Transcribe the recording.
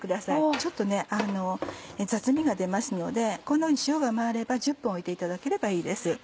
ちょっと雑味が出ますのでこんなふうに塩が回れば１０分置いていただければいいです。